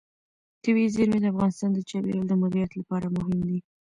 طبیعي زیرمې د افغانستان د چاپیریال د مدیریت لپاره مهم دي.